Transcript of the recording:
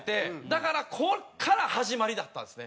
だからここから始まりだったんですね。